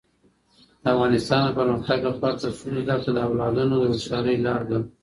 د افغانستان د پرمختګ لپاره د ښځو زدهکړه د اولادونو هوښیارۍ لار ده.